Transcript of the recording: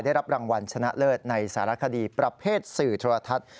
ได้รับรางวัลชนะเลิศในสารคดีประเภทสื่อโทรทัศน์